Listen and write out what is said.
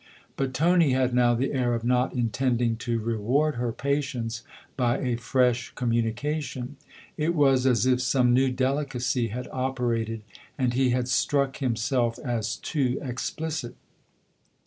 But Tony had now the air of not intending to reward her patience by a fresh communication ; it was as if some new delicacy had operated and he had struck himself as too explicit.